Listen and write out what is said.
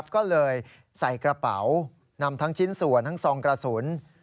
ก็เลยใส่กระเป๋านำทั้งชิ้นส่วนทั้งซองกระสุน